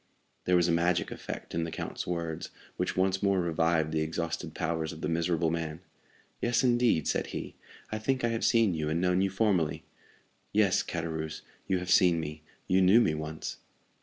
There was a magic effect in the count's words, which once more revived the exhausted powers of the miserable man. "Yes, indeed," said he; "I think I have seen you and known you formerly." "Yes, Caderousse, you have seen me; you knew me once."